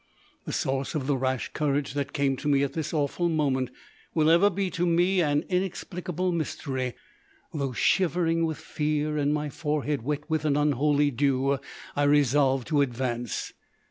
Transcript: The source of the rash courage that came to me at this awful moment will ever be to me an inexplicable mystery. Though shivering with fear, and my forehead wet with an unholy dew, I resolved to advance.